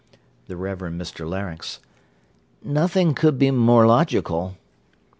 THE REVEREND MR LARYNX Nothing could be more logical.